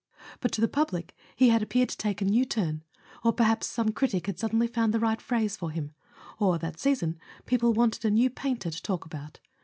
But to the public he had appeared to take a new turn; or perhaps some critic had suddenly found the right phrase for him; or, that season, people wanted a new painter to talk about.